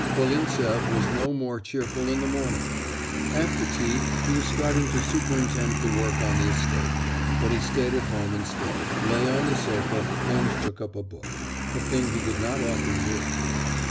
Volintsev was no more cheerful in the morning. After tea he was starting to superintend the work on the estate, but he stayed at home instead, lay on the sofa, and took up a book a thing he did not often do.